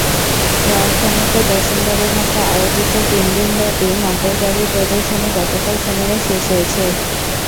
রাজধানীতে দশমবারের মতো আয়োজিত তিন দিনব্যাপী মোটর গাড়ি প্রদর্শনী গতকাল শনিবার শেষ হয়েছে।